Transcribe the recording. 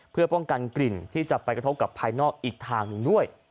เพื่อป้องกันกลิ่นที่จะไปกระทบกับภายนอกอีกทางหนึ่งด้วย